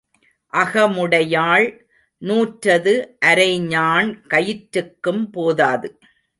அகமுடையாள் நூற்றது அரைஞாண் கயிற்றுக்கும் போதாது.